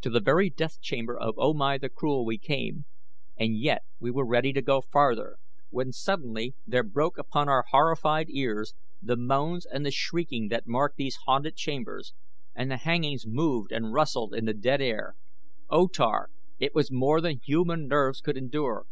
To the very death chamber of O Mai the Cruel we came and yet we were ready to go farther; when suddenly there broke upon our horrified ears the moans and the shrieking that mark these haunted chambers and the hangings moved and rustled in the dead air. O Tar, it was more than human nerves could endure.